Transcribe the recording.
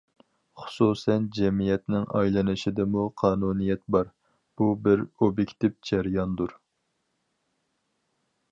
خۇسۇسەن جەمئىيەتنىڭ ئايلىنىشىدىمۇ قانۇنىيەت بار، بۇ بىر ئوبيېكتىپ جەرياندۇر.